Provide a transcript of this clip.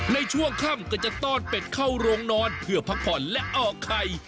ในช่วงค่ำก็จะต้อนเป็ดเข้าโรงนอนเพื่อพักผ่อนและออกไข่